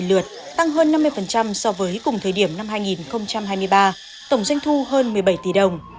một trăm ba mươi lượt tăng hơn năm mươi so với cùng thời điểm năm hai nghìn hai mươi ba tổng doanh thu hơn một mươi bảy tỷ đồng